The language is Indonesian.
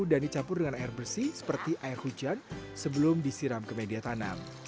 dan dicampur dengan air bersih seperti air hujan sebelum disiram ke media tanam